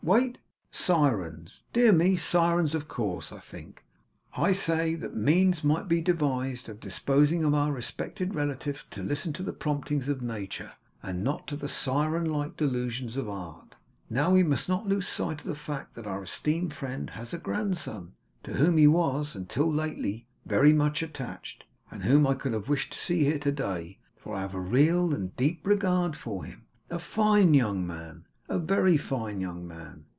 Wait! Sirens. Dear me! sirens, of course. I think, I say, that means might be devised of disposing our respected relative to listen to the promptings of nature, and not to the siren like delusions of art. Now we must not lose sight of the fact that our esteemed friend has a grandson, to whom he was, until lately, very much attached, and whom I could have wished to see here to day, for I have a real and deep regard for him. A fine young man, a very fine young man!